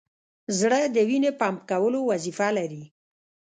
زړه د وینې پمپ کولو وظیفه لري.